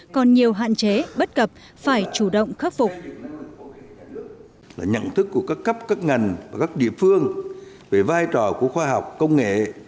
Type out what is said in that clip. còn nhiều kết quả tương xứng